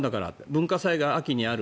文化祭が秋にある。